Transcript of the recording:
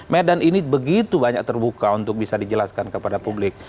medan ini begitu banyak terbuka untuk bisa dijelaskan kepada publik